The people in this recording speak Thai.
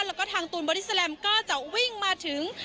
และก็ทางตูลบริสิแลมก็จะวิ่งมาถึง